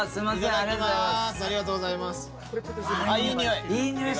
ありがとうございます。